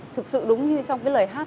thực sự đúng như trong cái lời hát